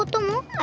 あ。